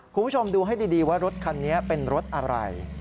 คุณผู้ชมดูให้ดีว่ารถคันนี้เป็นรถอะไร